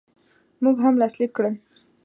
موږ هم لاسلیک کړل.